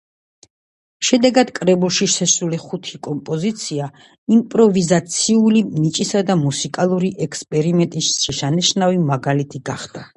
შედეგად კრებულში შესული ხუთი კომპოზიცია იმპროვიზაციაული ნიჭისა და მუსიკალური ექსპერიმენტის შესანიშნავი მაგალითი გახდა.